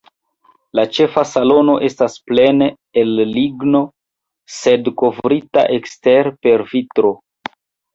La ĉefa salono estas plene el ligno, sed kovrita ekstere per vitro.